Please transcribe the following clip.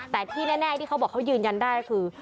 แต่ที่แน่ที่เขาบอกเขายืนยันได้ก็คือ